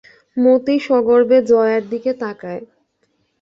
মতি সগর্বে জয়ার দিকে তাকায়।